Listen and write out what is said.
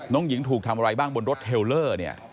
น้องหญิงถูกทำอะไรบ้างบนรถเทลเลอร์เนี่ย